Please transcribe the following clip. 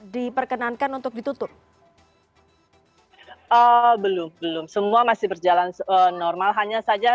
diperkenankan untuk ditutup belum belum semua masih berjalan normal hanya saja